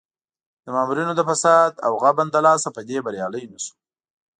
د مامورینو د فساد او غبن له لاسه په دې بریالی نه شو.